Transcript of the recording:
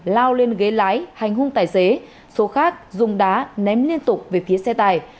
lao lên ghế lái hành hung tài xế số khác dùng đá ném liên tục về phía xe tài